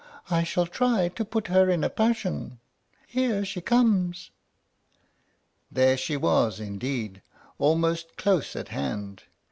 I shall try to put her in a passion. Here she comes." There she was indeed, almost close at hand.